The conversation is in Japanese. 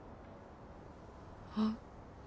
あっ。